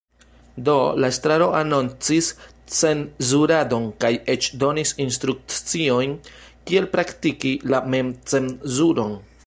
Do, la estraro anoncis cenzuradon kaj eĉ donis instrukciojn kiel praktiki la memcenzuron.